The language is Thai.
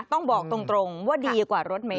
ต้องบอกตรงว่าดีกว่ารถเมย